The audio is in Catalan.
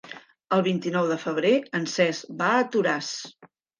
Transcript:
El vint-i-nou de febrer en Cesc va a Toràs.